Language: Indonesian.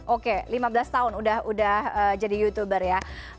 oke lima belas tahun udah jadi youtuber ya